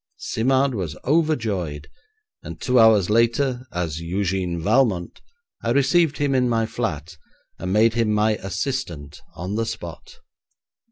Simard was overjoyed, and two hours later, as Eugène Valmont, I received him in my flat, and made him my assistant on the spot.